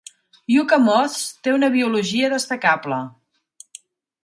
"Yucca moths" té una biologia destacable.